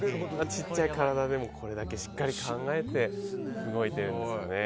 小さい体でもこれだけしっかり考えて動いているんですね。